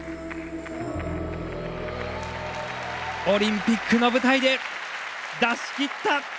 オリンピックの舞台で出し切った！